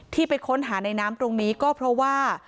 ที่ไปค้นหาในน้ำตรงนี้ก็เพราะว่า